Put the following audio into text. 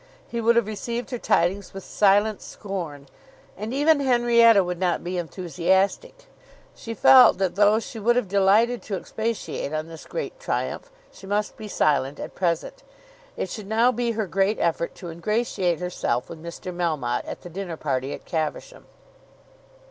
He would have received her tidings with silent scorn. And even Henrietta would not be enthusiastic. She felt that though she would have delighted to expatiate on this great triumph, she must be silent at present. It should now be her great effort to ingratiate herself with Mr. Melmotte at the dinner party at Caversham.